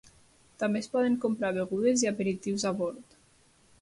També es poden comprar begudes i aperitius a bord.